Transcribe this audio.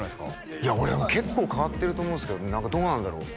いやいや俺は結構変わってると思うんですけど何かどうなんだろう？